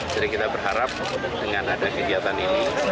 jadi kita berharap dengan ada kegiatan ini